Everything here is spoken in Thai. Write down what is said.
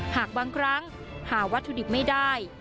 หากบางครั้งหาวัตถุดิบไม่ได้